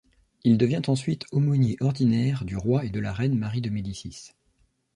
Il devient ensuite aumônier ordinaire du roi et de la reine Marie de Médicis.